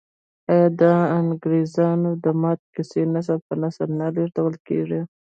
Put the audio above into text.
آیا د انګریزامو د ماتې کیسې نسل په نسل نه لیږدول کیږي؟